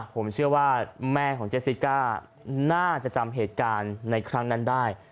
ผมเชื่อว่าแม่ของเจสสิก้าน่าจะจำเหตุการณ์ในครั้งนั้นได้